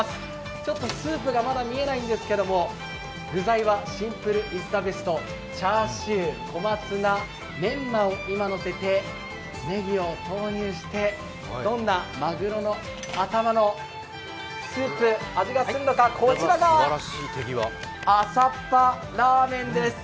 ちょっとスープがまだ見えないんですけど、具材はシンプル・イズ・ザベストチャーシュー、小松菜、めんまを今、のせて、ねぎを投入してどんなまぐろの頭のスープ、味がするのかこちらがあさっぱラーメンです。